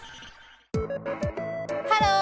ハロー！